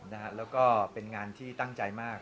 แล้วก็เป็นงานที่ตั้งใจมาก